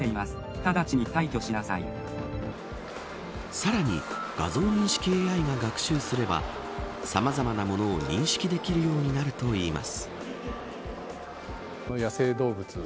さらに、画像認識ＡＩが学習さえできればさまざまなものを認識できるようになるといいます。